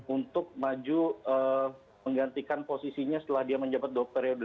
untuk maju menggantikan posisinya setelah dia menjabat dua periode